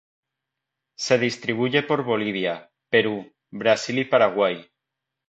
Se distribuye por Bolivia, Perú, Brasil y Paraguay.